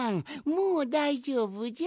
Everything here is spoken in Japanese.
もうだいじょうぶじゃ。